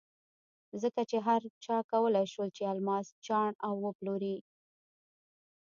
ځکه چې هر چا کولای شول چې الماس چاڼ او وپلوري.